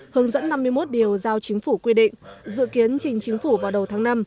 hướng dẫn năm mươi một điều giao chính phủ quy định dự kiến trình chính phủ vào đầu tháng năm